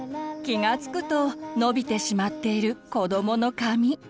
気がつくと伸びてしまっている子どもの髪。